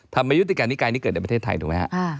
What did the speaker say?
ยุติการนิกายนี้เกิดในประเทศไทยถูกไหมฮะ